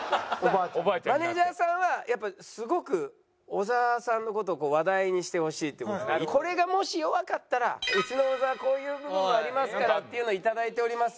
マネージャーさんはやっぱすごく小沢さんの事を話題にしてほしいっていう事でこれがもし弱かったらうちの小沢こういう部分もありますからっていうのを頂いております。